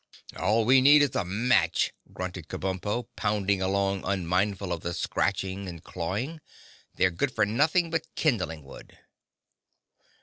"All we need is a match," grunted Kabumpo, pounding along unmindful of the scratching and clawing. "They're good for nothing but kindling wood."